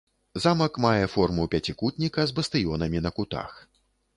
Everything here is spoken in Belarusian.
Замак мае форму пяцікутніка з бастыёнамі на кутах.